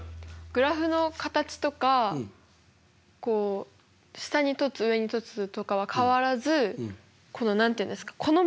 グラフの形とかこう下に凸上に凸とかは変わらずこの何て言うんですかｃを動かすと。